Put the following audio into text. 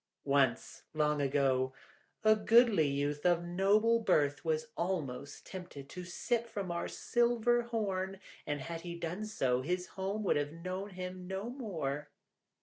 Once, long ago, a goodly youth of noble birth was almost tempted to sip from our silver horn, and had he done so his home would have known him no more.